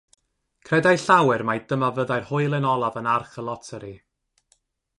Credai llawer mai dyma fyddai'r hoelen olaf yn arch y loteri.